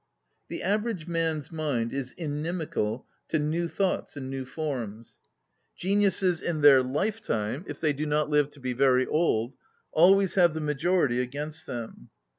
The average man's mind is inim ical to new thoughts and new forms. Geniuses in their lifetime ŌĆö if they do not live to be very old ŌĆö always have the majority against them.